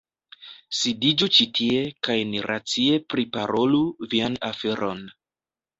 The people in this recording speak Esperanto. Sidiĝu ĉi tie, kaj ni racie priparolu vian aferon.